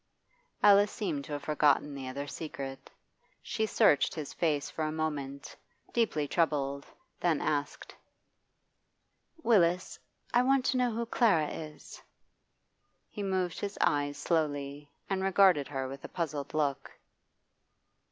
Alice seemed to have forgotten the other secret. She searched his face for a moment, deeply troubled, then asked: 'Willis, I want to know who Clara is?' He moved his eyes slowly, and regarded her with a puzzled look.